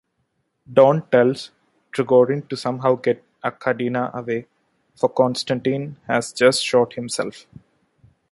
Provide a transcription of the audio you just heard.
Dorn tells Trigorin to somehow get Arkadina away, for Konstantin has just shot himself.